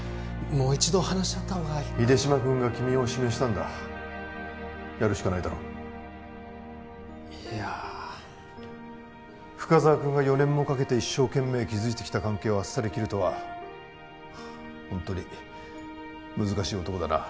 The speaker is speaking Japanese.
もう一度話し合ったほうが秀島君が君を指名したんだやるしかないだろいや深沢君が４年もかけて一生懸命築いてきた関係をあっさり切るとはホントに難しい男だな